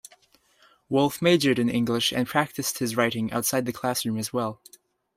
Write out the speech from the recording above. Wolfe majored in English and practiced his writing outside the classroom as well.